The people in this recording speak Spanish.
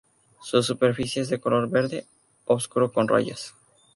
Su superficie es de color verde oscuro con rayas.